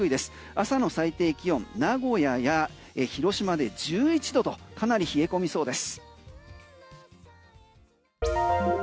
朝の最低気温、名古屋や広島で１１度とかなり冷え込みそうです。